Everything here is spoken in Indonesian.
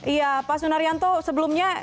iya pak sunaryanto sebelumnya